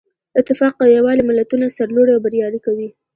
اتفاق او یووالی ملتونه سرلوړي او بریالي کوي.